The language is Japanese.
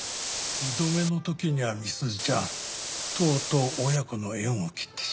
２度目の時には美鈴ちゃんとうとう親子の縁を切ってしまって。